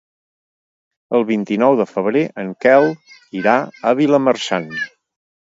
El vint-i-nou de febrer en Quel irà a Vilamarxant.